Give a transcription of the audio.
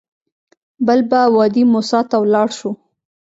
بل به وادي موسی ته لاړ شو.